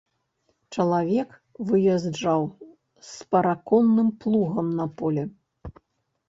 Чалавек выязджаў з параконным плугам на поле.